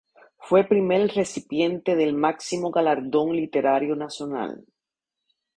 Fue primer recipiente del máximo galardón literario nacional.